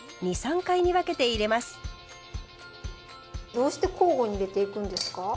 どうして交互に入れていくんですか？